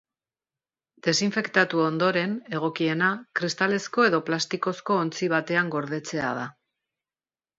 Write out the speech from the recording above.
Desinfektatu ondoren, egokiena, kristalezko edo plastikozko ontzi batean gordetzea da.